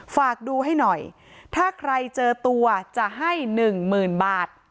ฝากดูให้หน่อยถ้าใครเจอตัวจะให้หนึ่งหมื่นบาท